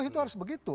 itu harus begitu